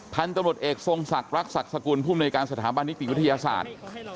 ท่านตำรวจเอกทรงศักดิ์รักษกษกุลภูมิในการสถาบันนิตยุทธิวิทยาศาสตร์